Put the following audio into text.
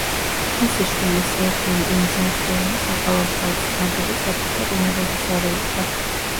მისი შვილი სერგეი ეიზენშტეინი საყოველთაოდ ცნობილი საბჭოთა კინორეჟისორი იყო.